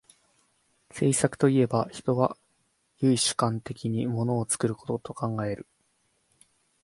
製作といえば、人は唯主観的に物を作ることと考える。